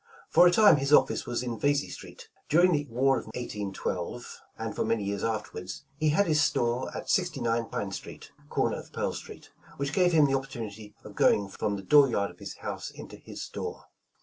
For a time his office was in Vesey Street. During the war of 1812 and for many years afterward, he had his store at 69 Pine Street, corner of Pearl Street, which gave him the op portunity of going from the dobryard of his house into his store.